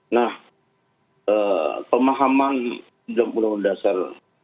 nah pemahaman dalam undang undang dasar